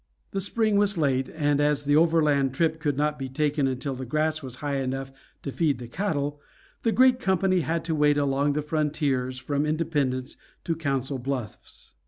The spring was late, and as the overland trip could not be taken until the grass was high enough to feed the cattle, the great company had to wait along the frontiers from Independence to Council Bluffs.